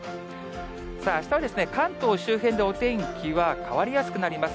さあ、あしたは関東周辺でお天気は変わりやすくなります。